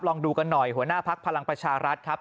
ลองดูกันหน่อยหัวหน้าพักพลังประชารัฐครับ